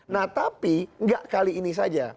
nah tapi nggak kali ini saja